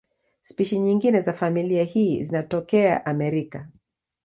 Spishi nyingine za familia hii zinatokea Amerika.